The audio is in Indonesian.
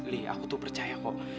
lee aku tuh percaya kok